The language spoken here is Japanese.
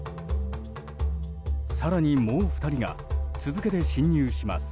更に、もう２人が続けて侵入します。